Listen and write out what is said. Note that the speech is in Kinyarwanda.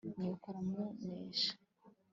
nuko aramunesha